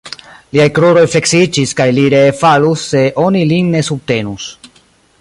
Liaj kruroj fleksiĝis, kaj li ree falus, se oni lin ne subtenus.